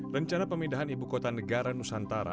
rencana pemindahan ibu kota negara nusantara